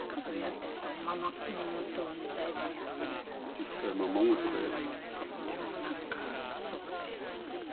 実際ままごとだよ。